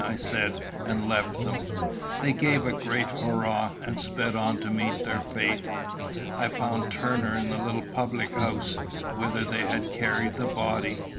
I said, and left them. They gave a great hurrah, and sped on to meet their fate. I found Turner in the little public house, whither they had carried the body.